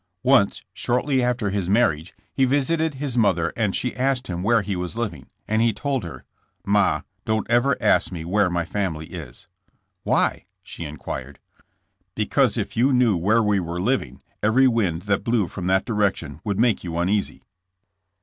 Once, shortly after his marriage, he visited his mother and she asked him where he was living, and he told her: *'Ma, don't ever ask me where my family is.*' ^'Why?'' she inquired. Because if you knew where we were living, every wind that blew from that direction would make you uneasy.''